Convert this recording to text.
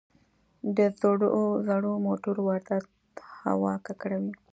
د زړو موټرو واردات هوا ککړوي.